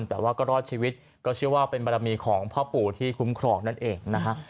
แต่ว่าก็รอดชีวิตก็เชื่อว่าเป็นบารมีของพ่อปู่ที่คุ้มครองนั่นเองนะฮะ